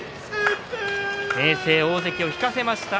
明生、大関を引かせました。